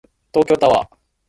東京タワー